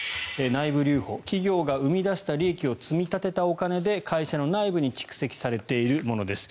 内部留保、企業が生み出した利益を積み立てたお金で会社の内部に蓄積されているものです。